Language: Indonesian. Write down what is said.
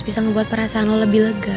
bisa membuat perasaan lo lebih lega